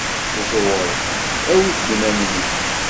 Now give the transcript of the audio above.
Ẓewret awit-d iman-nwen.